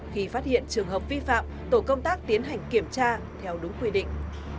khi phát hiện trường hợp vi phạm tổ công tác tiến hành kiểm tra theo đúng quy định